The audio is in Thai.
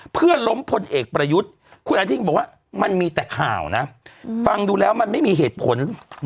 เพื่อล้มพลเอกประยุทธ์คุณอนุทินบอกว่ามันมีแต่ข่าวนะฟังดูแล้วมันไม่มีเหตุผล